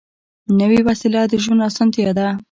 نوې وسیله د ژوند اسانتیا ده